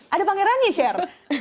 ada pangeran nih sher